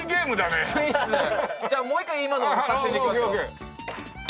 じゃあもう一回今の作戦でいきますか。